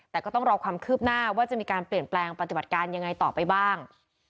แต่ก็ต้องรอความคืบหน้าว่าจะมีการเปลี่ยนแปลงปฏิบัติการยังไงต่อไปบ้าง